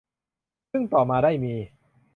ซึ่งต่อมาได้มี